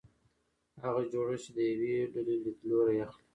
هغه جوړښت چې د یوې ډلې لیدلوری اخلي.